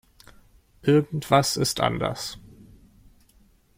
Irgendwas ist anders.